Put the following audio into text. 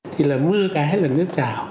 thì là mưa cái là nước trào